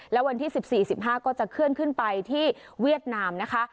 และวันที่สิบสี่สิบห้าก็จะเคลื่อนขึ้นไปที่เวียดนามนะคะ